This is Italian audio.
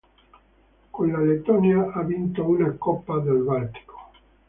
Con la Lettonia ha vinto una Coppa del Baltico.